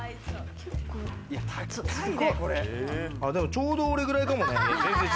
ちょうど俺くらいかもね。